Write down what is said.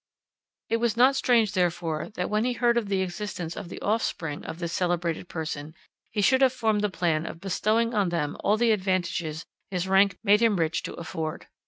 It was not strange therefore, that when he heard of the existence of the offspring of this celebrated person, he should have formed the plan of bestowing on them all the advantages his rank made him rich to afford.